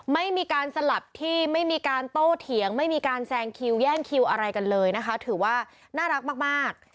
ไม่มีการสลับที่ไม่มีการโต้เถียงไม่มีการแซงคิวแย่งคิวอะไรกันเลยนะคะถือว่าน่ารักมาก